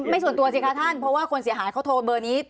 ส่วนตัวสิคะท่านเพราะว่าคนเสียหายเขาโทรเบอร์นี้